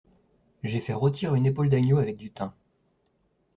J'ai fait rôtir une épaule d'agneau avec du thym.